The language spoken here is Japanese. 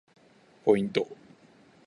ポイント